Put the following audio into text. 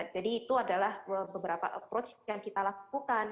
jadi itu adalah beberapa approach yang kita lakukan